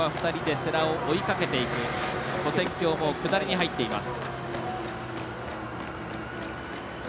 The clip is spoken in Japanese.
跨線橋も下りに入っています。